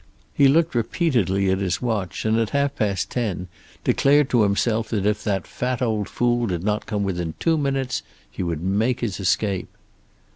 He looked repeatedly at his watch, and at half past ten declared to himself that if that fat old fool did not come within two minutes he would make his escape.